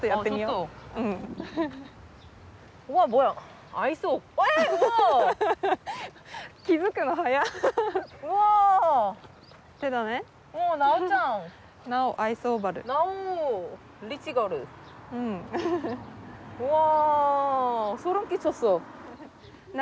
うわ。